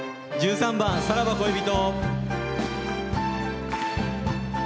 １３番「さらば恋人」。